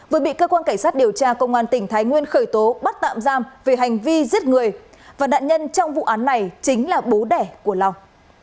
vừa bị cơ quan cảnh sát điều tra công an tỉnh thái nguyên khởi tố bắt tạm giam về hành vi giết người và nạn nhân trong vụ án này chính là bố đẻ của long